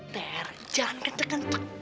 ter jangan kenceng kenceng